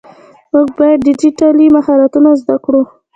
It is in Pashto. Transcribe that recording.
مونږ باید ډيجيټلي مهارتونه زده کړو.